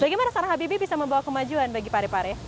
bagaimana seorang habibie bisa membawa kemajuan bagi pare pare